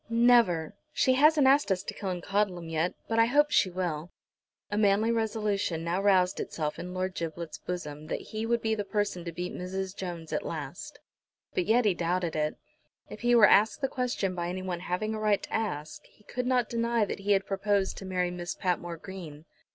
"Never. She hasn't asked us to Killancodlem yet, but I hope she will." A manly resolution now roused itself in Lord Giblet's bosom that he would be the person to beat Mrs. Jones at last. But yet he doubted. If he were asked the question by anyone having a right to ask he could not deny that he had proposed to marry Miss Patmore Green.